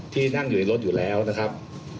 ที่นั่งอยู่ในรถอยู่แล้วนะครับ